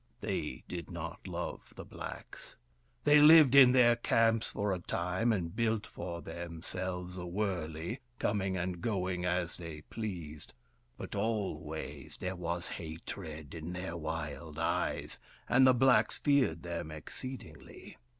They did not love the blacks. They lived in their camps for a time, and built for them selves a wurley, coming and going as they pleased ; but always there was hatred in their wild eyes, and the blacks feared them exceedingly.